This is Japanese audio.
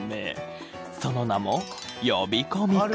その名も呼び込み君。